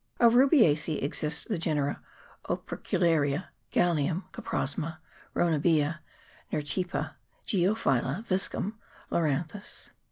Of Rubiacece exist the genera Opercularia, Galium, Coprosma, Ronabea, Nertepa, Geophila, Viscum, Loran thus.